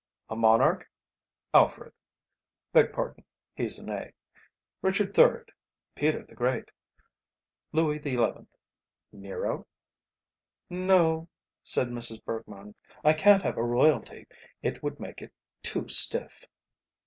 "A Monarch? Alfred; beg pardon, he's an A. Richard III., Peter the Great, Louis XI., Nero?" "No," said Mrs. Bergmann. "I can't have a Royalty. It would make it too stiff."